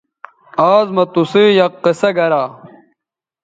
آز مہ تُسئ یک قصہ گرا